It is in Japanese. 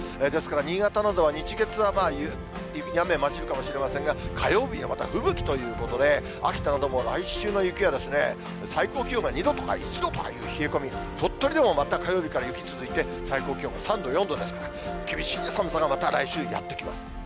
ですから、新潟などは日、月などは雪に雨交じるかもしれませんが、火曜日はまた吹雪ということで、秋田はどうも来週の雪はですね、最高気温が２度とか１度とかという冷え込み、鳥取でも火曜日から雪続いて、最高気温が３度、４度ですから、厳しい寒さが、また来週、やって来ます。